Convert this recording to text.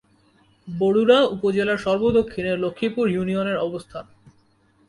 বরুড়া উপজেলার সর্ব-দক্ষিণে লক্ষ্মীপুর ইউনিয়নের অবস্থান।